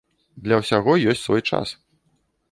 Для ўсяго ёсць свой час.